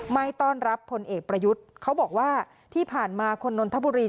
ไม่ต้อนรับผลเอกประยุทธ์เขาบอกว่าที่ผ่านมาคนนนทบุรี